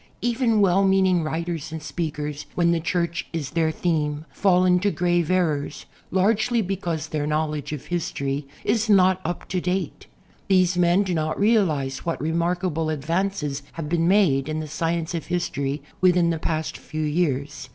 Even well meaning writers and speakers, when the Church is their theme, fall into grave errors, largely because their knowl edge of history is not "up to date." These men do not realize what remarkable advances have been made in the science of history within the past few years.